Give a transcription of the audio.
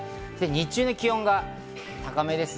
日中の気温が高めです。